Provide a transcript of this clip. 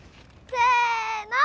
せの。